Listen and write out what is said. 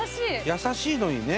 優しいのにね。